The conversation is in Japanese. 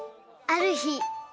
あるひ